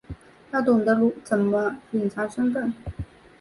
要懂得怎么隐藏身份